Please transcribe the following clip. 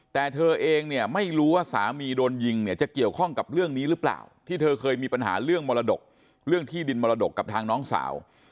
แต่เธอเองเนี่ยไม่รู้ว่าสามีโดนยิงเนี่ยจะเกี่ยวข้องกับเรื่องนี้หรือเปล่าที่เธอเคยมีปัญหาเรื่องมรดกเรื่องที่ดินมรดกกับทางน้องสาว